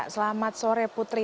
selamat sore putri